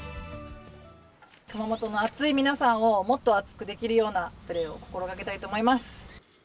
熊本の熱い皆さんを、もっと熱くできるようなプレーを心がけたいと思います。